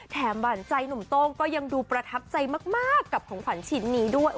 หวานใจหนุ่มโต้งก็ยังดูประทับใจมากกับของขวัญชิ้นนี้ด้วย